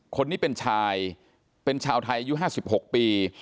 คนนี้เป็นชายเป็นชาวไทยอายุ๕๖ปี